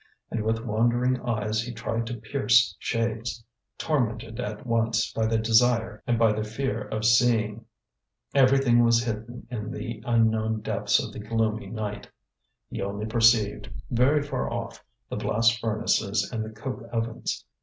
And with wandering eyes he tried to pierce shades, tormented at once by the desire and by the fear of seeing. Everything was hidden in the unknown depths of the gloomy night. He only perceived, very far off, the blast furnaces and the coke ovens.